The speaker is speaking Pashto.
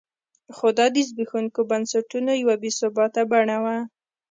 خو دا د زبېښونکو بنسټونو یوه بې ثباته بڼه وه.